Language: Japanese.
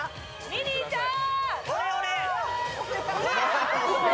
ミニーちゃん！